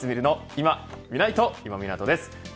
いまみないと今湊です。